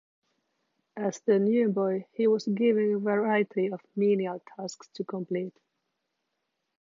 As the "new boy", he was given a variety of menial tasks to complete.